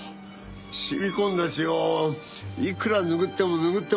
染み込んだ血をいくら拭っても拭っても落ちなくて。